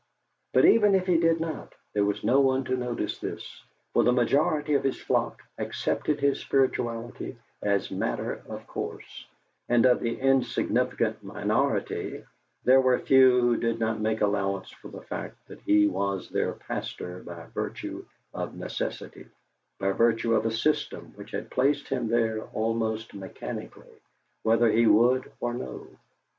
But even if he did not, there was no one to notice this, for the majority of his flock accepted his spirituality as matter of course, and of the insignificant minority there were few who did not make allowance for the fact that he was their pastor by virtue of necessity, by virtue of a system which had placed him there almost mechanically, whether he would or no.